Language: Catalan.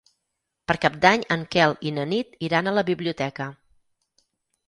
Per Cap d'Any en Quel i na Nit iran a la biblioteca.